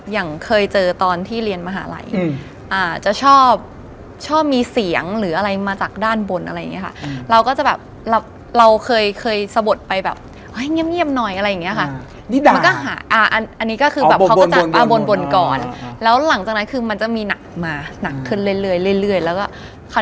อย่างเคยเจอตอนที่เรียนมหาลัยจะชอบชอบมีเสียงหรืออะไรมาจากด้านบนอะไรอย่างนี้ค่ะ